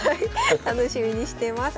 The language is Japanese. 楽しみにしています。